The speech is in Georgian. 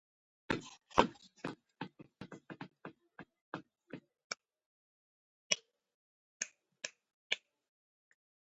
ბჟინევის მარმარილოთი მოპირკეთებულია ხაბაროვსკის მეტროს ერთ-ერთი სადგური.